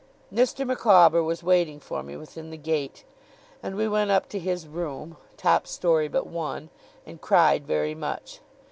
Mr. Micawber was waiting for me within the gate, and we went up to his room (top story but one), and cried very much.